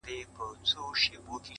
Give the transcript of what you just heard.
اوس دادی.